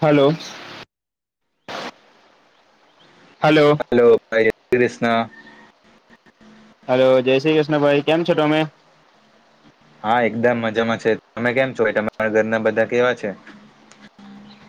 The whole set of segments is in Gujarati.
હેલો. હલો. હલો ભાઈ. જય શ્રી કૃષ્ણ. હલો. જય શ્રી કૃષ્ણ ભાઈ. કેમ છો તમે? હા, એકદમ મજામાં છે. તમે કેમ છો? તમારા ઘરના બધા કેવા છે?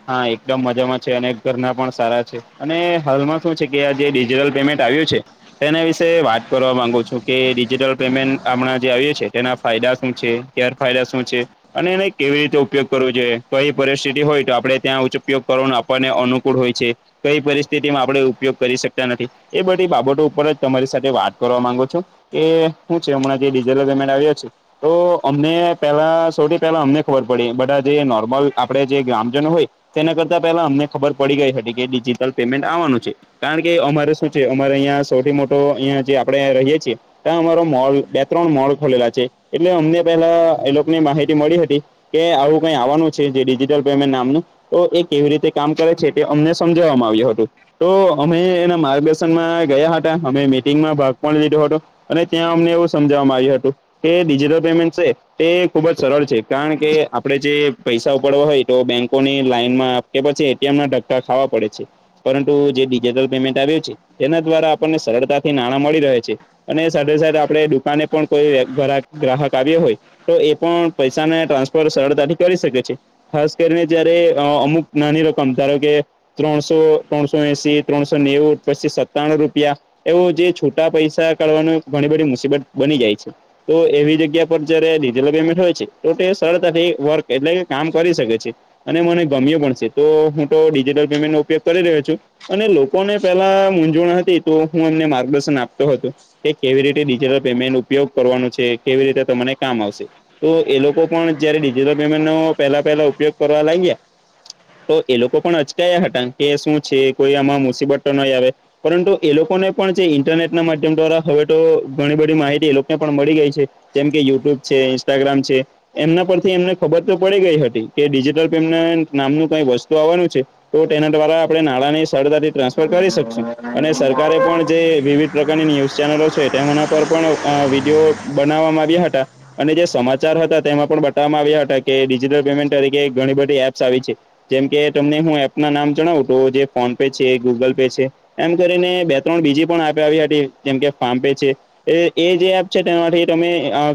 હા, એકદમ મજામાં છે અને ઘરના પણ સારા છે અને હાલમાં શું છે કે આ જે ડિજિટલ પેમેન્ટ આવ્યું છે. તેના વિશે વાત કરવા માંગુ છું કે ડિજિટલ પેમેન્ટ હમણાં જે આવ્યું છે તેના ફાયદા શું છે. ગેર ફાયદા શું છે અને એને કેવી રીતે ઉપયોગ કરવો જોઈએ. કઈ પરિસ્થિતિ હોય તો આપ આપડે ત્યાં ઉચ્ચ ઉપયોગ કરવાનો આપણને અનુકૂળ હોય છે. કઈ પરિસ્થિતિમાં આપણે ઉપયોગ કરી શકતા નથી. એ બધી બાબતો ઉપર જ તમારી સાથે વાત કરવા માંગુ છું. એ હું છે હમણાં જે ડીઝલ પેમેન્ટ આવ્યા છે તો અમને પેલા સૌથી પેલા અમને ખબર પડી બઢા જે નોર્મલ આપડે જે ગામ જનો હોય તેના કરતા પેલા અમને ખબર પડી ગઈ હતી કે ડિજિટલ પેમેન્ટ આવવાનું છે. કારણ કે અમારે શું છે અમારે અહીંયા સૌથી મોટો અહીંયા જે આપડે રહીય છીએ. ત્યાં અમારો મોલ બે ત્રણ મોલ ખોલેલા છે એટલે અમને પેલા એ લોકોન માહિતી મળી હતી. કે આવું કઈ આવવાનું છે જે ડિજિટલ પેમેન્ટ ના મનુ. તો એ કેવી રીતે કામ કરે છે તે અમને સમજવામાં આવ્યું હતું. તો અમે એના માર્ગદર્શનમાં ગયા હતા, અમે મીટિંગમાં ભાગ પણ લીધો હતો. અને ત્યાં અમને એવું સમજવામાં આવ્યું હતું કે ડિજિટલ પેમેન્ટ છે તે ખુબ જ સરળ છે. કારણ કે આપડે જે પૈસા ઉપાડવા હોય તો બેંક કોની લાઈનમાં કે પછી એટીએમના ધક્કા ખાવા પડે છે. પરંતુ જે ડિજટલ પેમેન્ટ આવ્યું છે તેના દ્વારા આપણને સરળતાથી નાણાં મળી રહે છે. અને સાથે સાથે આપણે દુકાને પણ કોઈ ઘરાક, ગ્રાહક આવ્યો તો એ પણ પૈસાને ટ્રાન્સફર સરળતાથી કરી શકે છે. ખાસ કરીને જયારે અ અમુક નાની રકમ ધારો કે ત્રણસો, ત્રણસો એશી, ત્રણસો નેવું પછી સત્તાણું રૂપિયા એવું જે છુટા પૈસા કાઢવાાનું ઘણી બધી મુસીબત બની જાય છે. તો એવી જગ્યા પર જયારે ડિજિટલ પેમેન્ટ હોય છે તો તે સરળતાથી વર્ક એટલે કે કામ કરી શકે છે. અને મને ગમ્યું પણ છે તો હું તો ડિજિટલ પેમેન્ટનો ઉપયોગ કરી રહ્યો છું. અને લોકોને પેલા મૂંઝવણ હતી તો હું એમને માર્ગદર્શન આપતો હતો. કે કેવી રીતે ડિજિટલ પેમેન્ટ ઉપયોગ કરવાનું છે, કેવી રીતે તમને કામ આવશે. તો એ લોકો પણ જયારે ડિજિટલ પેમેન્ટનો પેલા પહેલા ઉપયોગ કરવા લાગ્યા તો એ લોકો પણ અચકાયા હતા કે શું છે કોઈ આમાં મુસીબત તો નઈ આવે. પરંતુ એ લોકોને પણ જે ઇન્ટરનેટના માધ્યમ દ્વારા હવે તો ઘણી બધી માહિતી એ લોકોન પણ મળી ગઈ છે. જેમ કે યુટ્યુબ છે, ઇન્સ્ટાગ્રામ છે એમના પરથી એમને ખબર તો પડી ગઈ હતી. કે ડિજિટલ પેમેન્ટ નામનું કઈ વસ્તુ આવવાનું છે. તો તેના દ્વારા આપણે નાણાંની સરળતાથી ટ્રાન્સફર કરી શકશું અને સરકારે પણ જે વિવિધ. પ્રકારની ન્યૂઝ ચેનલો છે, તેમના પર પણ વીડિયો બનાવવામાં આવ્યા હતા. અને જે સમાચાર હતા, તેમાં પણ બતાવવામાં આવ્યા હતા કે ડિજિટલ પેમેન્ટ તરીકે ઘણી બધી એપ્સ આવી છે. જેમ કે તમને હું એપનાં નામ જણાવું તો, જે ફોનપે છે, ગૂગલ પે છે. એમ કરીને બે-ત્રણ બીજી પણ આવી હતી, જેમ કે એફપે છે. એ જે એપ છે, તેનાથી તમે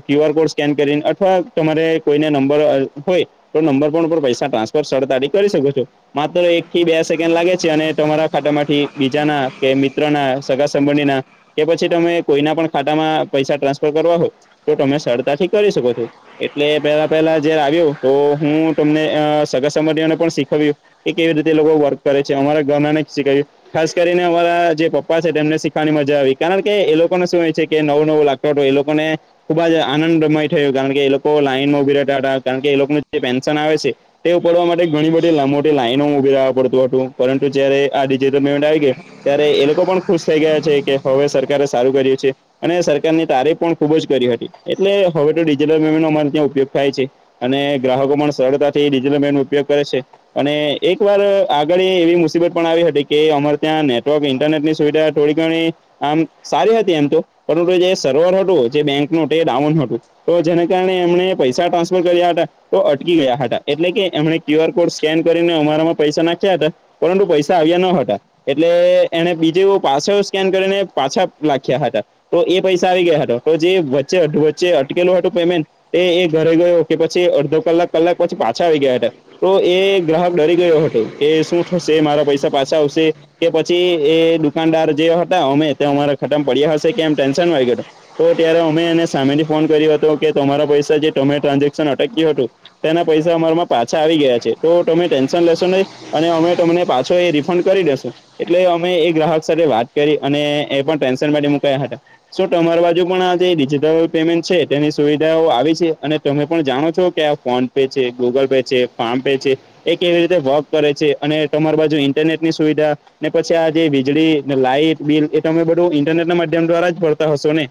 ક્યુઆર કોડ સ્કેન કરીને અથવા તમારે. કોઈનો નંબર હોય તો નંબર ઉપર પણ પૈસા ટ્રાન્સફર સરળતાથી કરી શકો છો. માત્ર એકથી બે સેકન્ડ લાગે છે અને તમારા ખાતામાંથી બીજાના કે મિત્રો, સગા-સંબંધીઓના. કે પછી તમે કોઈના પણ ખાતામાં પૈસા ટ્રાન્સફર કરવા હોય. તો તમે સરળતાથી કરી શકો છો. એટલે પહેલાં-પહેલાં જ્યારે આવ્યું તો. હું તમને સગા-સંબંધીઓને પણ શીખવ્યું. કે કેવી રીતે એ લોકો વર્ક કરે છે, અમારા ઘરે પણ શીખવ્યા. ખાસ કરીને અમારા જે પપ્પા છે, તેમને શીખવાની મજા આવી, કારણ કે એમને શું હોય છે કે નવું નવું લાગે. એમને ખૂબ જ આનંદ થયો, કારણ કે એ લોકો લાઈનમાં ઊભા રહેતા હતા, કારણ કે એમને. જે પેન્શન આવે છે. તે ઉપાડવા માટે ઘણી બધી લાંબી લાઈનમાં ઊભા રહેવું પડતું હતું, પરંતુ જ્યારે આ ડિજિટલ પેમેન્ટ આવી ગયું. ત્યારે એ લોકો પણ ખુશ થઈ ગયા કે હવે સરકારે સારું કર્યું છે. અને સરકારની તારીફ પણ ખૂબ જ કરી હતી. એટલે હવે તો ડિજિટલનો ત્યાં ઉપયોગ થાય છે. અને ગ્રાહકો પણ સરળતાથી ડિજિટલ પેમેન્ટનો ઉપયોગ કરે છે. અને એક વાર અગાઉ એવી મુશ્કેલી પણ આવી હતી કે અમારે ત્યાં નેટવર્ક અને ઇન્ટરનેટની સુવિધા. થોડી ઘણી આમ સારી હતી એમ તો, પણ જે સર્વર હતું એ બેંકનું ડાઉન હતું. તો જેને કારણે એમણે પૈસા ટ્રાન્સફર કર્યા હતા. તો અટકી ગયા હતા. એટલે કે એમણે ક્યુઆર કોડ સ્કેન કરીને અમારામાં પૈસા નાખ્યા હતા. પરંતુ પૈસા આવ્યા ન હતા. એટલે એમણે બીજે પાછું સ્કેન કરીને પાછા મોકલ્યા હતા. તો એ પૈસા આવી ગયા હતા, જે વચ્ચે-વચ્ચે અટકેલું હતું પેમેન્ટ. એ ઘરે ગયો કે પછી અડધા કલાક-કલાક પછી પાછા આવી ગયા હતા. તો એ ગ્રાહક ડરી ગયો હતો કે શું થશે, મારા પૈસા પાછા આવશે? કે પછી એ દુકાનદાર જે હતા, અમારે ત્યાં ખટમ પડ્યા હશે એમ ટેન્શન આવી ગયું. તો ત્યારે અમે એને સામેથી ફોન કર્યો હતો કે, તમારા પૈસા જે તમે ટ્રાન્ઝેક્શન કર્યું હતું, એ અટક્યું હતું. એના પૈસા અમારામાં પાછા આવી ગયા છે, તો તમે ટેન્શન લેશો નહીં. અને અમે તમને પાછું એ રિફંડ કરી દઈશું. એટલે અમે એ ગ્રાહક સાથે વાત કરી અને એ પણ ટેન્શનમાં મુકાઈ ગયા હતા. તો તમારા બાજુ પણ આ જે ડિજિટલ પેમેન્ટ છે, તેની સુવિધાઓ આવી છે અને તમે પણ જાણો છો કે. ફોનપે છે, ગૂગલ પે છે, ફેમ પે છે. એ કેવી રીતે વર્ક કરે છે અને તમારા બાજુ ઇન્ટરનેટની સુવિધા. ને પછી આ જે વીજળીનું લાઇટ બિલ છે, એ તમે બધું ઇન્ટરનેટના માધ્યમ દ્વારા જ ભરતા હશો ને.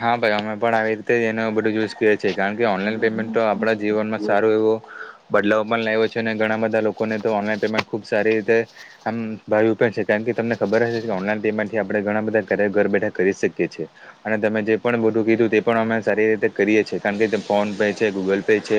હા ભાઈ, અમે પણ આવી રીતે એ બધું જ. છે, કારણ કે ઓનલાઈન પેમેન્ટ તો આપણા જીવનમાં સારું એવું. બદલાવ પણ લાવ્યો છે અને ઘણા બધા લોકોને તો ઓનલાઈન પેમેન્ટ ખૂબ સારી રીતે. આમ ફાવ્યું પણ છે, કારણ કે તમને ખબર હશે કે ઓનલાઈન પેમેન્ટથી આપણે ઘણા બધા કામ ઘર બેઠા. કરી શકીએ છીએ. અને તમે જે પણ બધું કીધું, એ પણ અમે સારી રીતે કરીએ છીએ, કારણ કે ફોનપે છે, ગૂગલ પે છે.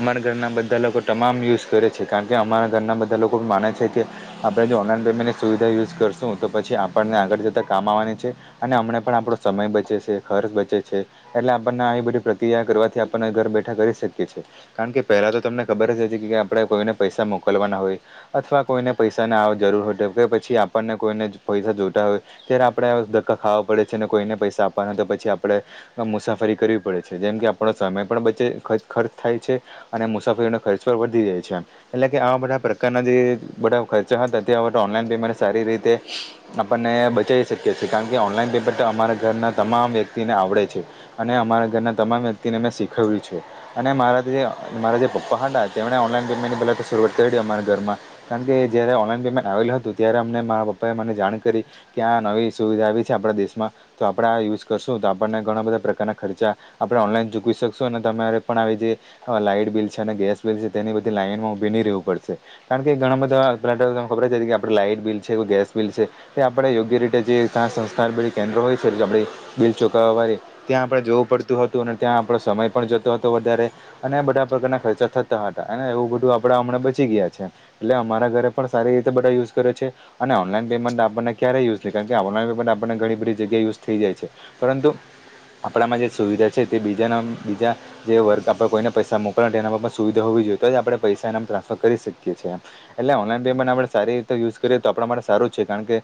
અમારા ઘરના બધા લોકો તમામ યુઝ કરે છે, કારણ કે અમારા ઘરના બધા લોકો માને છે કે. આપણે જો ઓનલાઈન પેમેન્ટની સુવિધા યુઝ કરશું તો પછી આપણને આગળ જતા કામ આવવાની છે. અને અમણે પણ આપડો સમય બચે છે, ખર્ચ બચે છે. એટલે આપણ ને આવી બધી પ્રક્રિયા કરવાથી ઘર બેઠા કરી શકીએ છીએ. કારણ કે પહેલાં તો તમને ખબર જ હતી કે આપણે કોઈને પૈસા મોકલવાના હોય. અથવા કોઈને પૈસાની આવું જરૂર હોય, કે પછી આપણને કોઈ ને પૈસા જોતા હોય. ત્યારે આપણે ધક્કા ખાવા પડે છે અને કોઈને પૈસા આપવાના હોય તો પછી આપણે મુસાફરી કરવી પડે છે, જેમ કે આપણો સમય પણ બચે ખર્ચ થાય છે. અને મુસાફરીનો ખર્ચ પણ વધી જાય છે. એટલે કે આવા બધા પ્રકારના જે બધા ખર્ચા હતા તે હવે તો ઓનલાઈન પેમેન્ટ સારી રીતે આપણને બચાવી શકીએ છીએ કારણ કે ઓનલાઈન પેપર તો અમારા ઘરના તમામ વ્યક્તિને આવડે છે. અને અમારા ઘરના તમામ વ્યક્તિને મે શીખવ્યું છે. અને મારા જે મારા જે પપ્પા હતા તેમને ઓનલાઈન પેમેન્ટની પેલા તો શરૂઆત કરેલી મારા ઘરમાં. કારણ કે જયારે ઓનલાઈન પેમેન્ટ આવેલું હતું, ત્યારે અમને મારા પપ્પા એ મને જાણ કરી કે આ નવી સુવિધા આવી છે આપણા દેશમાં તો આપણે આ યુઝ કરશું તો આપણને ઘણા બધા પ્રકારના ખર્ચા, આપણે ઓનલાઈન ચૂકવી શકશું અને તમારે પણ આવી જ રીત હવે લાઈટ બિલ છે અને ગેસ બિલ છે તેની બધી લાઈનમાં ઉભી નહીં રહેવું પડશે. કારણ કે ઘણા બધાને ખબર કે આપડે લાઈટ બિલ છે, ગેસ બિલ છે, તે આપણે યોગ્ય રીતે જે ત્યાં સંસ્કાર બધી કેન્દ્ર હોય છે, એટલે આપણી બિલ ચોકાવવાળે ત્યાં આપણે જોવું પડતું હતું અને ત્યાં આપણો સમય પણ જતો હતો વધારે. અને આ બધા પ્રકારના ખર્ચા થતા હતા અને એવું બધું આપડા હમણાં બચી ગયા છે. એટલે અમારા ઘરે પણ સારી રીતે બધા યુઝ કરે છે અને ઓનલાઈન પેમેન્ટ આપણને ક્યારેય યુઝ કાર ઓનલાઈન પેમેન્ટ આપને ઘણી બધી જગ્યા યુઝ થઈ જાય છે, પરંતુ આપણામાં જે સુવિધા છે, તે બીજાના બીજા જે વર્ગ આપણેે કોઈને પૈસા મોકલના એનામાં સુવિધા હોવી જોઈએ, તો જ આપણે પૈસા એના માં ટ્રાન્સફર કરી શકીએ છે. એટલે ઓનલાઈન પેમેન્ટ આપણે સારી રીતે યુઝ કરીએ તો આપડા માટે સારું જ છે, કારણ કે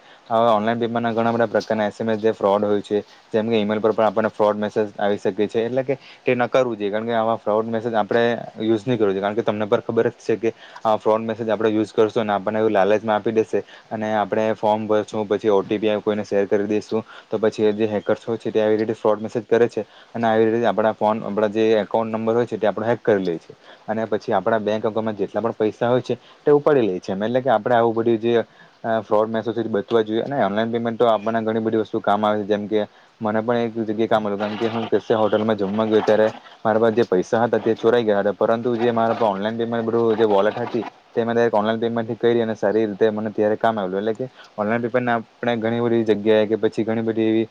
ઓનલાઇન, પેમેન્ટ ના ઘણા બધા પ્રકારના એસએમએસ, ફ્રોડ હોય છે, જેમ કે ઇ-મેલ પર પણ આપણને ફ્રોડ મેસેજ આવી શકે છે, એટલે કે તે નકારવું જોઈએ કારણ કે આ ફ્રોડ મેસેજ આપણે યુઝ નહીં કરવું જોઈએ કારણ કે તમને પર ખબર જ છે, કે આ ફ્રોડ મેસેજ આપણે યુઝ કરશું અને આપણને એ લાલચમાં આપી દેશે, અને આપડે ફોર્મ ભરશું પછી ઓ ટીઆઈ કોઈને શેર કરી દઈશું, તો પછી જે હેકર્સ હોય છે, ત્યાં આવી રીતે ફ્રોડ મેસેજ કરે છે. અને આવી રીતે આપડા ફોન આપણા જે એકાઉન્ટ નંબર હોય છે, તે આપણે હેક કરી લે છે. અને પછી આપડા બેંક એકાઉન્ટમાં જેટલા પણ પૈસા હોય છે, તે ઉપાડી લે છે, એમ એટલે કે આપડે આવું બધું જે ફોડ મેસેજ બચવું જોઈએ, ઓનલાઈન પેમેન્ટતો આપણને ઘણી બધી વસ્તુ કામ આવે છે, જેમકે મને પણ એક જગ્યા મુલગન કે હું કેસે હોટલમાં જમવા ગ્યો તયારે મારા પાસ જે પૈસા હતા તે ચોરાઈ ગયા હતા, પરંતુ જે મારા પાહે ઓનલાઈન પેમેન્ટ જે વોલેટ હતી તે મને એક ઓનલાઇન પેમેન્ટથી કઈરી, અને સારી રીતે મને ત્યારે કામ આવેલું. એટલે કે ઓનલાઈન પેમ [unintelligible] આપણે ઘણી બધી જગ્યાએ કે પછી ઘણી બધી એવી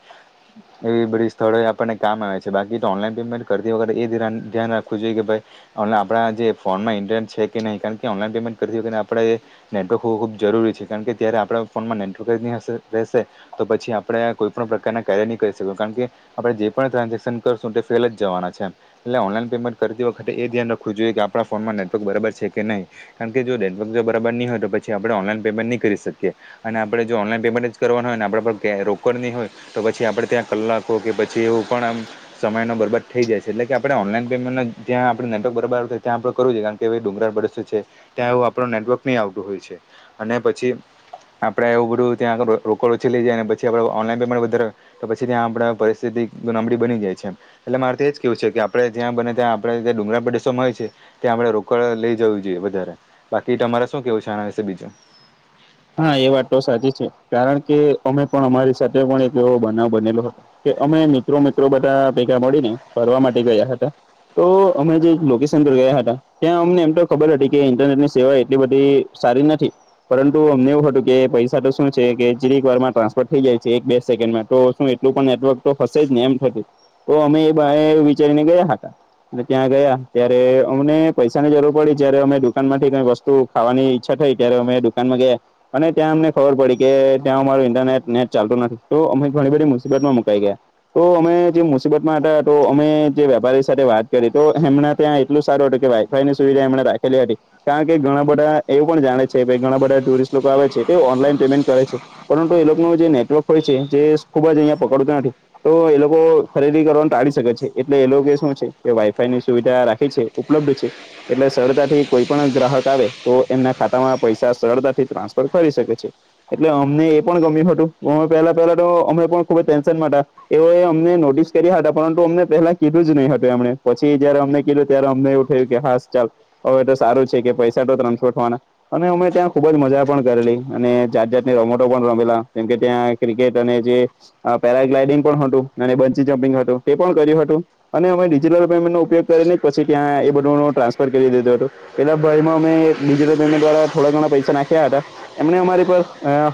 એવી બધી સ્થળોએ આપણને કામ આવે છે. બાકી તો ઓનલાઈન પેમેન્ટ કરતી વખતે એ ધિરાણ ધ્યાન રાખવું જોઈએ, કે ભાઈ હમણે આપણા આ જે ફોનમાં ઇન્ટરનેટ છે કે નહીં, કારણ કે ઓનલાઇન પેમેન્ટ કરતી વખતે આપણે નેટવર્ક હોવું ખૂબ જરૂરી છે. કારણ કે ત્યારે આપણા ફોનમાં નેટવર્ક જ ની હશે રહેશે તો પછી આપણે આ કોઈ પણ પ્રકારના કાર્ય નહીં કરી શકું. કારણ કે આપણે જે પણ ટ્રાન્ઝેક્શન કરશું તે ફેલ જવાના છે એમ. એટલે ઓનલાઈન પેમેન્ટ કરતી વખતે એ ધ્યાન રાખવું જોઈએ કે આપણા ફોનમાં નેટવર્ક બરબર છે કે નહીં. કારણ કે જો નેટવર્ક જો બરાબર નહીં હોય તો પછી આપણે ઓનલાઈન પેમેન્ટ નહીં થવા કરી શકીએ અને આપણે જો ઓનલાઈન પેમેન્ટ જ કરવા હોયને આપણે પર રોક નહીં હોય, તો પછી આપડે ત્યાં કલાકો કે પછી એવું પણ આમ, સમયનો બરબાદ થઈ જાય એટકે આપણે ઓનલાઈન પેમેન્ટ જ્યાં આપણે નેટવર્ક બરાબર ત્યાં આપણે કરવું જોઈએ કારણકે, કે ડુંગરાળ વરસ છે, ત્યાં એવું આપણો નેટવર્ક નહી આવતું હોય છે, અને પછી આપણે એવું બધું ત્યાં આળોડ ઓછી થાય અને પછી આપણે ઓનલાઈન પેમેટ વધારે, તો પછી ત્યાં આપણા પરિસ્થિતિ નબળી બની જાય છે, એટલે મારે તો એજ કેવું છે, કે આપડે જ્યાં બંને ત્યાં આપણે ત્યાં ડુંગળ પ્રદેશોમાં હોય છે, ત્યાં આપણે રોકડ લઈ જવું જોઈએ વધારે બાકી તમારે શું કેવું છે, આના વિશે બીજું. હાએ વાતતો સાચી છે, કારણ કે અમે પણ અમારી સાથે પણ એક એવો બનાવ બનેલો હતો, કે અમે મિત્રો મિત્રો બધા ભેગા મળી ને ભરવા માટે ગયા હતા, તો અમે જે લોકેશન પર ગયા હતા ત્યાં અમને એમ તો ખબર હતી કે ઇન્ટરનેટ ની સેવા એટલી બધી સારી નથી. પરંતુ અમને એવું હતું કે પૈસા તો શું છે કે જરીક વારમાં ટ્રાન્સફર થઈ જાય છે એક બે સેકન્ડમાં તો શું એટલું પણ નેટવર્ક તો હશે જ ને એમ હતું તો અમે એ વિચારીને ગયા હતા. અને ત્યાં ગયા ત્યારે અમને પૈસા ની જરૂર પડી જયારે અમે દુકાન માંથી કઈ વસ્તુ ખાવાની ઈચ્છા થઈ ત્યારે અમે દુકાનમાં ગયા. અને ત્યાં અમને ખબર પડી કે ત્યાં અમારું ઇન્ટરનેટ નેટ ચાલતું નથી તો અમે ઘણી બધી મુસીબતમાં મુકાઈ ગયા. તો અમે જે મુસીબતમાં હતા તો અમે જે વેપારી સાથે વાત કરી તો એમના ત્યાં એટલું સારું હતું કે ભાઈ ની સુવિધા એમણે રાખેલી હતી કારણ કે ઘણા બધા એવું પણ જાણે છે કે ઘણા બધા ટુરિસ્ટ લોકો આવે છે તો ઓનલાઈન પેમેન્ટ કરે છે. પરંતુ એ લોકોનું જે નેટવર્ક હોય છે જે ખુબ જ અહિયા પકડતો નથી. તો એ લોકો ખરીદી કરવા ટાળી શકે છે એટલે એ લોકો શું છે કે વાઈફાઈ ની સુવિધા રાખી છે. ઉપલબ્ધ છે એટલે સરળતાથી કોઈ પણ ગ્રાહક આવે તો એમના ખાતામાં પૈસા સરળતાથી ટ્રાન્સફર કરી શકે છે. એટલે અમને એ પણ ગમ્યું હતું પણ પેલા પહેલા તો અમે પણ ખુબ જ ટેન્શનમાં હતા એ અમને નોટિસ કર્યા હતા પરંતુ અમને પહેલા કીધું જ નહી હતું એમણે પછી જયારે અમને કીધું ત્યારે અમને એવું થયું કે હાસ ચાલ હવે તો સારું છે કે પૈસા તો ટ્રાન્સફર ઠવાના અને અમે ત્યાં ખૂબ જ મજા પણ કરેલી અને જાત જાતને રમતો પણ રમેલા કેમ કે ત્યાં ક્રિકેટ અને જે પેરાગ્લાઇડિંગ પણ હતું અને બંચી જમ્પિંગ હતું તે પણ કર્યું હતું. અને અમે ડિજિટલ પેમેન્ટનો ઉપયોગ કરીને પછી ત્યાં એ બધું નું ટ્રાન્સફર કરી દીધો હતું. પેલા ભાઈ માં અમે ડિજિટલ પેમેન્ટ વાળા થોડા ઘણા પૈસા નાખ્યા હતા. એમણે અમારી પર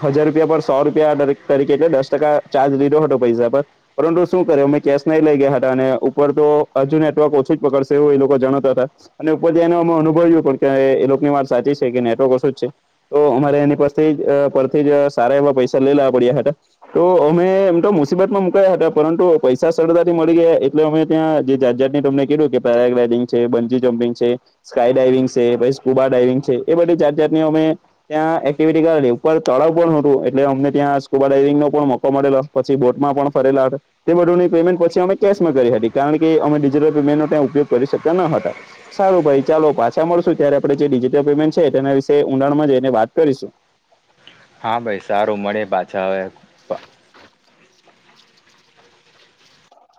હજાર રૂપિયા પર સો રૂપિયા તરીકે એટલે દસ ટકા ચાર્જ લીધો હતો પૈસા પર પરંતુ શું કરે અમે કેશ નહી લઈ ગયા હતા અને ઉપર તો હજુ નેટવર્ક ઓછું જ પકડશે એવું એ લોકો જણાવતા હતા. અને ઉપર જાઈને અમે અનુભવયુ પણ કે એ લોકોની વાત સાચી છે કે નેટવર્ક ઓશું જ છે. તો અમારે એની પાસથી પરથી જ સારા એવા પૈસા લઈ લેવા પડ્યા હતા. તો અમે એમ તો મુસીબતમાં મુકાયા હતા પરંતુ પૈસા સરળતાથી મળી ગયા એટલે અમે ત્યાં જે જાત જાતની તમને કીધું કે પેરાગ્લાઇડિંગ છે બંજી જમ્પિંગ છે. સ્કાય ડાઈવિંગ છે પછી સ્કૂબા ડાઈવિંગ છે એ બધી જાત જાતની અમે ત્યાં એક્ટિવિટી કરેલી ઉપર તળાવ પણ હોતું એટલે અમને ત્યાં સ્કુબા ડ્રાવિંગનો પણ મોકો મળેલો. પછી બોટમાં પણ ફરેલા હતા. તે બધુંની પેમેન્ટ પછી અમે કેશમાં કરી હતી કારણ કે અમે ડિજિટલ પેમેન્ટનો ત્યાં ઉપયોગ કરી શકતા ન હતા. સારું ભાઈ ચાલો પાછા મળશું ત્યારે આપણે જે ડિજિટલ પેમેન્ટ છે તેના વિશે ઊડાણમાં જઈને વાત કરીશું. હા ભાઈ સારું મળીએ પાછા અવે. [inaudible]